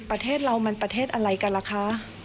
ประเทศเรามันประเทศอะไรกันล่ะคะ